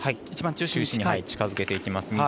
一番中心に近づけてきます。